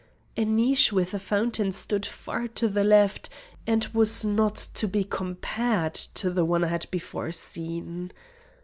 A niche with a fountain stood far to the left, and was not to be compared to the one I had before seen.